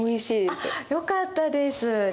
あっよかったです。